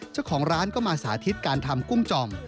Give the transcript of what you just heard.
เจ้าของร้านก็มาสาธิตการทำกุ้งจอม